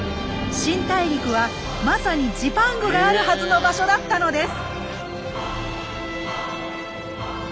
「新大陸」はまさにジパングがあるはずの場所だったのです！